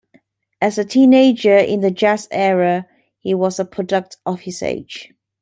As a teenager in the Jazz Era, he was a product of his age.